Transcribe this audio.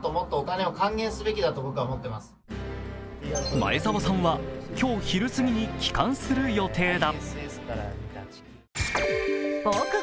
前澤さんは今日昼過ぎに帰還する予定だ。